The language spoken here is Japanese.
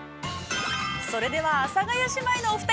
◆それでは阿佐ヶ谷姉妹のお二人。